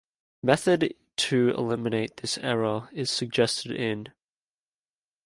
Method to eliminate this error is suggested in.